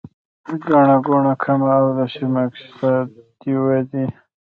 ګڼه ګوڼه کمه او د سیمو اقتصادي ودې